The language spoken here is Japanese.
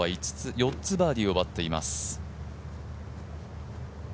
４つバーディーを奪っています。